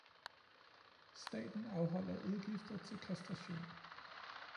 Staten afholder udgifter til kastration